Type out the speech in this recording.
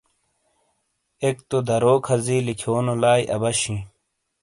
ایک تو دارو کھازی لکھیونو لائی ابش ہی۔